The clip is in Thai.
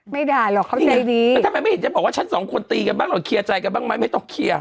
ด่าหรอกเขายังไงดีแล้วทำไมไม่เห็นจะบอกว่าฉันสองคนตีกันบ้างหรอกเคลียร์ใจกันบ้างไหมไม่ต้องเคลียร์